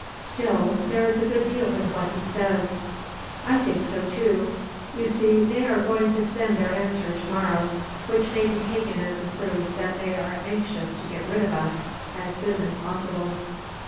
Still, there is a good deal in what he says." "I think so, too. You see, they are going to send their answer tomorrow, which may be taken as a proof that they are anxious to get rid of us, as soon as possible."